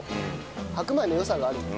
白米の良さがある。